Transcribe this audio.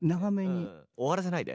終わらせないで。